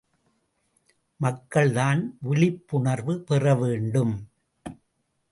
மக்கள்தான் விழிப்புணர்வு பெறவேண்டும்.